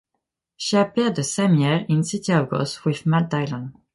She appeared the same year in "City of Ghosts" with Matt Dillon.